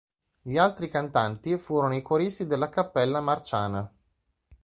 Gli altri cantanti furono i coristi della Cappella Marciana.